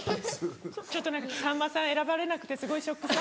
さんまさん選ばれなくてすごいショックそう。